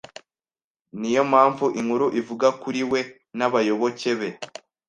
Niyo mpamvu inkuru ivuga kuri we nabayoboke be